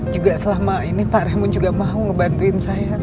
juga selama ini pak ramun juga mau ngebantuin saya